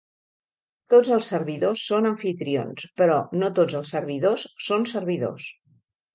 Tots els servidors són amfitrions, però no tots els servidors són servidors.